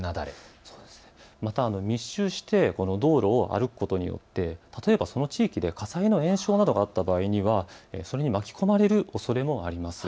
また密集して道路を歩くことによってその地域で火災の延焼などがあった場合には、それに巻き込まれるおそれもあります。